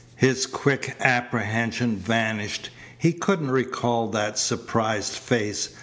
His quick apprehension vanished. He couldn't recall that surprised face.